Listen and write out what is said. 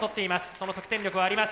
その得点力はあります。